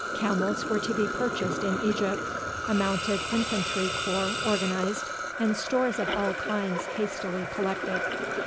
Camels were to be purchased in Egypt, a mounted infantry corps organized, and stores of all kinds hastily collected.